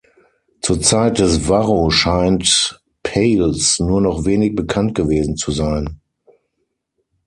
Zur Zeit des Varro scheint Pales nur noch wenig bekannt gewesen zu sein.